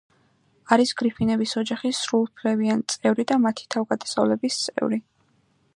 არის გრიფინების ოჯახის სრულუფლებიან წევრი და მათი თავგადასავლების წევრი.